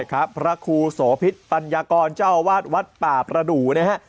ครับพระครูโสพิษพันยกรเจ้าวัดวัดประประดูนะฮะ